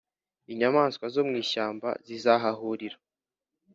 Inyamaswa zo mu ishyamba zizahahurira